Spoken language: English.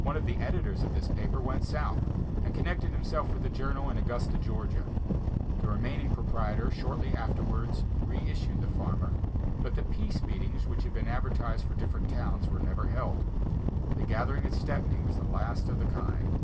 One of the editors of this paper went South, and connected himself with a journal in Augusta, Georgia; the remaining proprietor shortly afterwards re issued the Farmer, but the peace meetings which had been advertised for different towns were never held; the gathering at Stepney was the last of the kind.